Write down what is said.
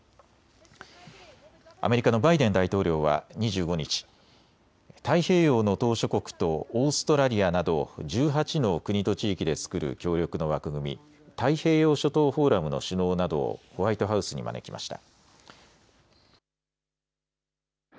アメリカのバイデン大統領は２５日、太平洋の島しょ国とオーストラリアなど１８の国と地域で作る協力の枠組み、太平洋諸島フォーラムの首脳などをホワイトハウスに招きました。